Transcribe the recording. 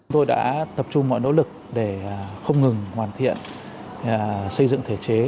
tôi đã tập trung mọi nỗ lực để không ngừng hoàn thiện xây dựng thể chế